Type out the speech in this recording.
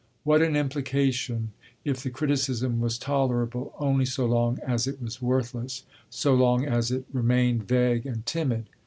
What an implication, if the criticism was tolerable only so long as it was worthless so long as it remained vague and timid!